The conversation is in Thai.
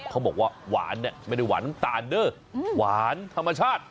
เขาบอกว่าหวานเนี่ยไม่ได้หวานน้ำตาลเด้อหวานธรรมชาติ